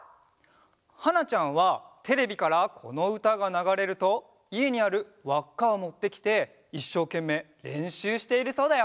はなちゃんはテレビからこのうたがながれるといえにあるわっかをもってきていっしょうけんめいれんしゅうしているそうだよ！